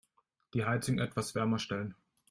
Die Heizung etwas wärmer stellen.